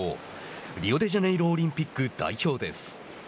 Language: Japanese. リオデジャネイロオリンピック代表です。